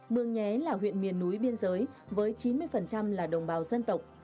mường nhé là huyện miền núi biên giới với chín mươi là đồng bào dân tộc